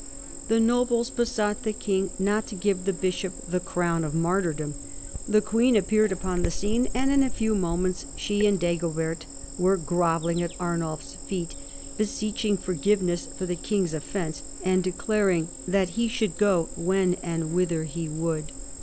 The nobles besought the king not to give the bishop the crown of martyrdom. The queen appeared upon the scene, and in a few moments she and Dagobert were grovelling at Arnulf's feet, be seeching forgiveness for the king's offence, and declaring that he should go when and whither he would.